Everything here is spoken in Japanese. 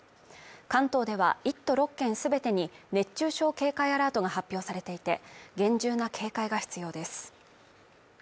関東では１都６県すべてに熱中症警戒アラートが発表されていて厳重な警戒が必要です